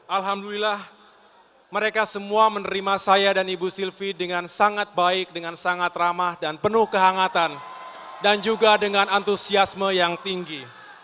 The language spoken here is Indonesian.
alhamdulillah mereka semua menerima saya dan ibu sylvie dengan sangat baik dengan sangat ramah dan penuh kehangatan dan juga dengan antusiasme yang tinggi